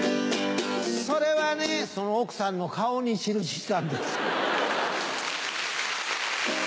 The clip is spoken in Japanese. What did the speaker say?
それはねその奥さんの顔に印したんですよ。